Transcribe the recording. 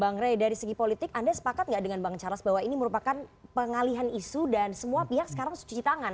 bang rey dari segi politik anda sepakat nggak dengan bang charles bahwa ini merupakan pengalihan isu dan semua pihak sekarang cuci tangan